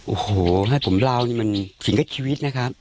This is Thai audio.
โอ้โหถ้าผมเล่านี่มันสิ่งกับชีวิตนะครับ